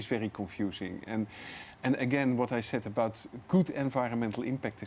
apa yang saya katakan tentang pengurusan impact environmental yang baik